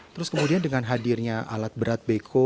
terus kemudian dengan hadirnya alat berat beko